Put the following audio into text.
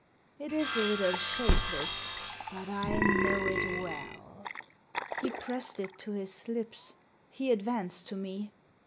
It is a little shapeless, but I know it well." He pressed it to his lips. He advanced to me.